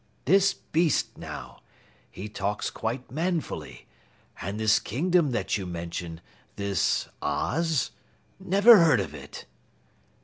This beast now, he talks quite manfully, and this Kingdom that you mention, this Oz? Never heard of it!"